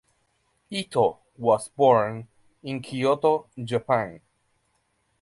Ito was born in Kyoto, Japan.